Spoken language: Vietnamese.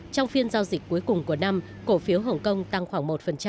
trong phiên giao dịch cuối cùng của năm cổ phiếu hồng kông tăng khoảng một